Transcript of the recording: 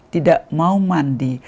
tidak mau mandi